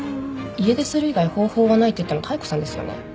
家出する以外方法はないって言ったの妙子さんですよね？